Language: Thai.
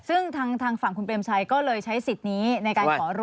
ซึ่งทางฝั่งคุณเปรมชัยก็เลยใช้สิทธิ์นี้ในการขอรู้